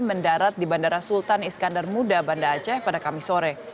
mendarat di bandara sultan iskandar muda banda aceh pada kamis sore